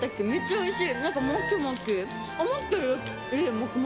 おいしい！